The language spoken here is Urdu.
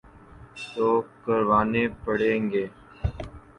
تو کروانے پڑیں گے۔